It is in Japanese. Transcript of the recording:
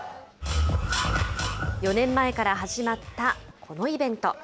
４年前から始まったこのイベント。